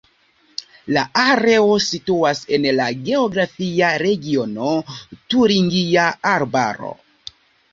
La areo situas en la geografia regiono Turingia Arbaro.